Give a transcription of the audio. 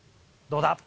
どうだ？